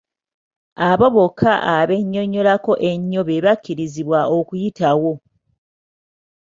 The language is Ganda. Abo bokka abennyonnyolako ennyo be bakkirizibwa okuyitawo.